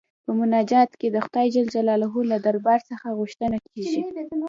په مناجات کې د خدای جل جلاله له دربار څخه غوښتنه کيږي.